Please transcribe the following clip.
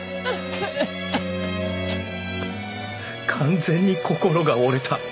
完全に心が折れた。